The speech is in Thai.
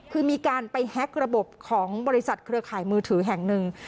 คือมีการไปแฮ็กระบบของบริษัทเครือข่ายมือถือแห่งหนึ่ง